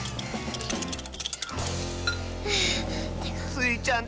スイちゃん